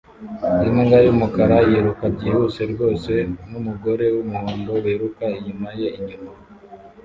imbwa yumukara yiruka byihuse rwose numugore wumuhondo wiruka inyuma ye inyuma